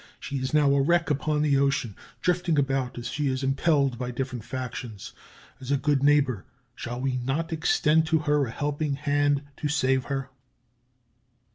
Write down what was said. She is now a wreck upon the ocean, drifting about as she is impelled by different factions. As a good neighbor, shall we not extend to her a helping hand to save her?